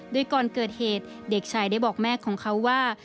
โดยก่อนเกิดเหตุเด็กชายได้บอกแม่ของเขาว่า